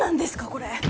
これ。